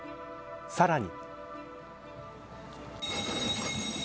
さらに。